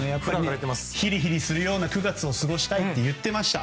ヒリヒリするような９月を過ごしたいと言っていました。